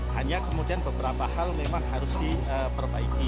hanya kemudian beberapa hal memang harus diperbaiki